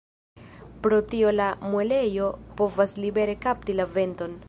Pro tio la muelejo povas libere “kapti” la venton.